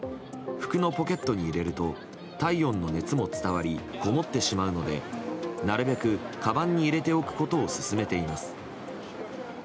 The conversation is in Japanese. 服のポケットに入れると体温の熱も伝わりこもってしまうのでなるべくかばんに入れておくことを勧めています。